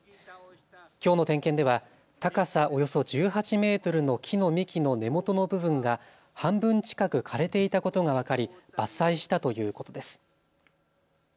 きょうの点検では高さおよそ１８メートルの木の幹の根元の部分が半分近く枯れていたことが分かり伐採したということです。